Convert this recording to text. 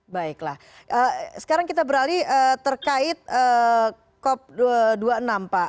baiklah sekarang kita beralih terkait cop dua puluh enam pak